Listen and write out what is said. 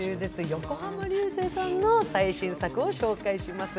横浜流星さんの最新作を紹介します。